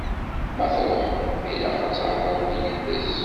Ma truḥeḍ, ilaq ad thedreḍ yid-s.